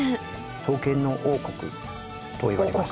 刀剣の王国といわれます。